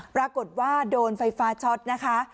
ปรากฏว่าโดนไฟฟ้าช็อตนะคะ